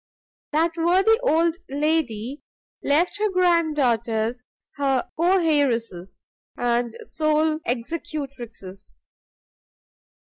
That worthy old lady left her grand daughters her co heiresses and sole executrixes.